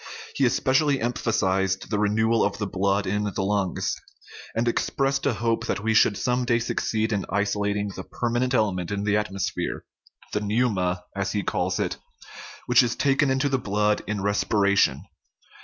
He especially emphasized the renewal of the blood in the lungs, and expressed a hope that we should some day succeed in isolating the permanent element in the atmosphere the pneuma, as he calls it which is taken into the blood in respiration.